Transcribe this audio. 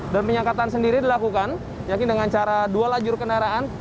dan penyekatan sendiri dilakukan yakin dengan cara dua lajur kendaraan